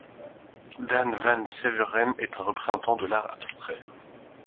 Dan Van Severen est un représentant de l’art abstrait.